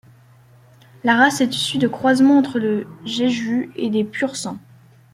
La race est issue de croisements entre le Jeju et des Pur-sangs.